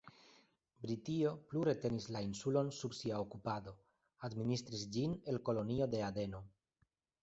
Britio plu retenis la insulon sub sia okupado, administris ĝin el Kolonio de Adeno.